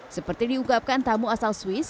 seperti diungkapkan tamu asal swiss